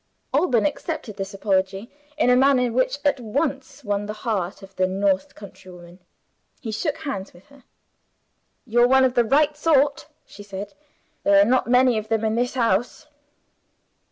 Alban accepted this apology in a manner which at once won the heart of the North countrywoman. He shook hands with her. "You're one of the right sort," she said; "there are not many of them in this house."